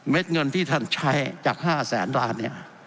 เม็ดเงินที่ท่านใช้จาก๕แสนล้านเนี่ย